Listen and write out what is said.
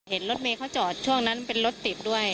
เห็นรถเมย์เขาจอดช่วงนั้นเป็นรถติดด้วย